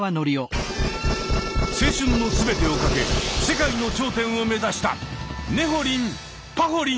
青春の全てを懸け世界の頂点を目指した！